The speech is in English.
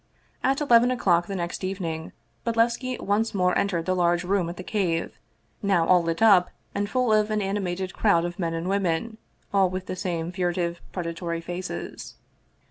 At eleven o'clock the next evening Bodlevski once more entered the large room at the Cave, now all lit up and full of an animated crowd of men and women, all with the same furtive, predatory faces.